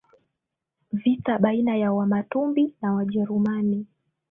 Vita baina ya Wamatumbi na Wajerumani